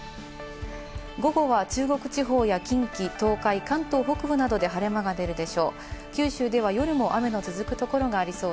午後は中国地方や近畿、東海、関東北部などで晴れ間が出るでしょう。